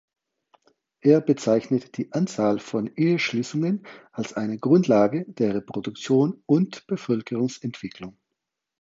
Er bezeichnet die Anzahl von Eheschließungen als eine Grundlage der Reproduktion und Bevölkerungsentwicklung.